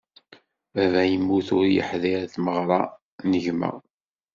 Baba yemmut ur yeḥdiṛ i tmerɣra n gma.